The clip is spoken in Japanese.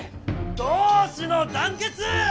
同志の団結！